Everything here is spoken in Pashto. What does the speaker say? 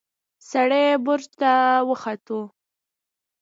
سړی برج ته وخوت.